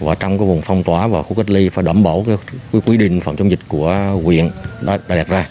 và trong cái vùng phong tỏa và khu cách ly phải đảm bảo quyết định phòng chống dịch của huyện đã đặt ra